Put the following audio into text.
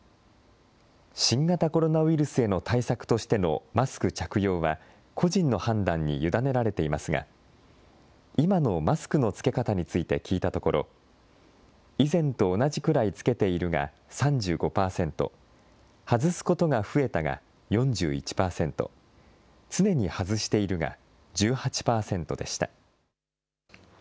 新型コロナウイルスへの対策としてのマスク着用は個人の判断に委ねられていますが、今のマスクの着け方について聞いたところ、以前と同じくらい着けているが３５％、外すことが増えたが４１％、常に外しているが１８％でした。